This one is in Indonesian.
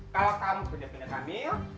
kalau kamu benar benar hamil